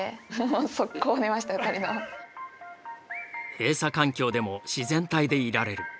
閉鎖環境でも自然体でいられる。